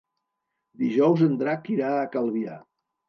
Dijous en Drac irà a Calvià.